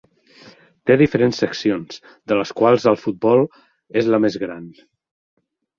Té diferents seccions, de les quals el futbol és la més gran.